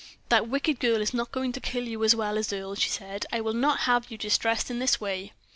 "That wicked girl is not going to kill you as well as Earle," she said. "I will not have you distressed in this way."